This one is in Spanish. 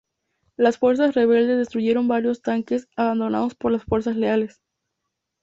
Las fuerzas rebeldes destruyeron varios tanques abandonados por las fuerzas leales.